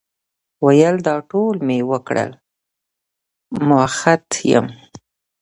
ویل دا ټول مي وکړل، مؤحد یم ،